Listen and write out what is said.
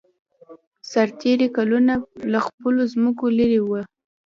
سرتېري کلونه له خپلو ځمکو لېرې وو